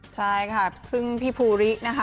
ใช่ค่ะซึ่งพี่ภูรินะคะ